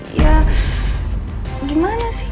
ya gimana sih